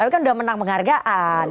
tapi kan udah menang penghargaan